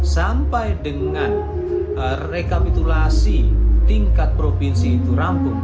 sampai dengan rekapitulasi tingkat provinsi itu rampung